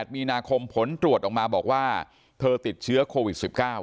มีนาคมผลตรวจออกมาบอกว่าเธอติดเชื้อโควิด๑๙